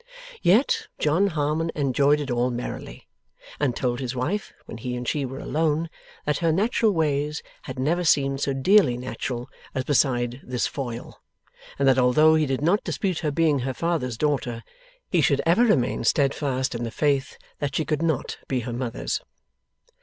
Yet, John Harmon enjoyed it all merrily, and told his wife, when he and she were alone, that her natural ways had never seemed so dearly natural as beside this foil, and that although he did not dispute her being her father's daughter, he should ever remain stedfast in the faith that she could not be her mother's.